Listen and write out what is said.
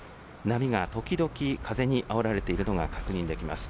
波が時々風にあおられているのが確認できます。